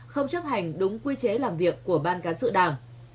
không chấp hành đúng quy chế làm việc của ban cán sự đảng